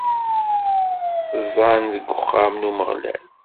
Ẓẓan deg uxxam n Umeɣlal.